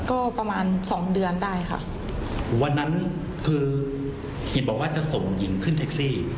ก็ประมาณสองเดือนได้ค่ะวันนั้นคือเห็นบอกว่าจะส่งหญิงขึ้นแท็กซี่